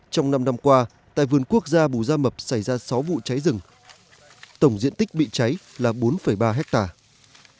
trong năm năm qua tại vườn quốc gia bù gia mập xảy ra sáu vụ cháy rừng tổng diện tích bị cháy là bốn ba hectare